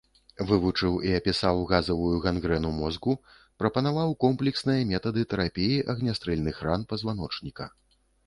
Вывучыў і апісаў газавую гангрэну мозгу, прапанаваў комплексныя метады тэрапіі агнястрэльных ран пазваночніка.